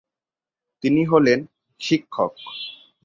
তিনি হলেন "শিক্ষক"।